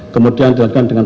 kemudian dilakukan dengan